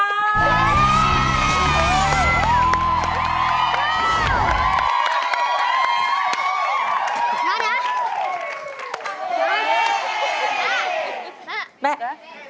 หนึ่งหมาย